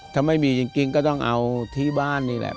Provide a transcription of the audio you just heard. ถ้าไม่มีจริงก็ต้องเอาที่บ้านนี่แหละ